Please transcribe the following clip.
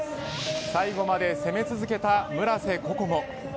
最後まで攻め続けた村瀬心椛。